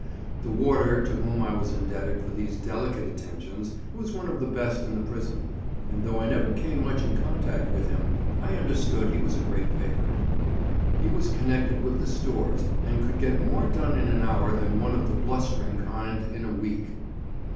The warder to whom I was indebted for these delicate attentions was one of the best in the prison, and though I never came much in contact with him, I understood he was a great favourite. He was connected with the stores, and could get more done in an hour than one of the blustering kind in a week.